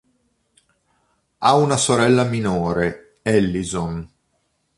Ha una sorella minore, Allison.